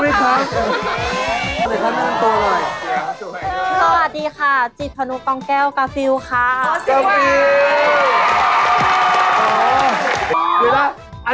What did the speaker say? อันนี้คือหมายได้ถึงที่นักงาน